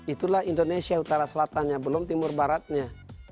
itulah indonesia utara selatannya belum timur baratnya